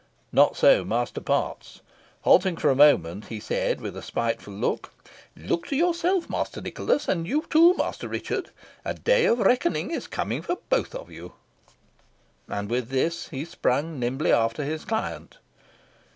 Not so Master Potts. Halting for a moment, he said, with a spiteful look, "Look to yourself, Master Nicholas; and you too, Master Richard. A day of reckoning is coming for both of you." And with this he sprang nimbly after his client.